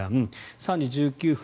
３時１９分